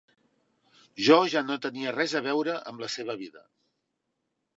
Jo ja no tenia res a veure amb la seva vida.